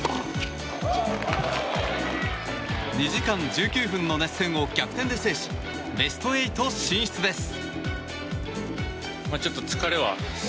２時間１９分の熱戦を逆転で制しベスト８進出です。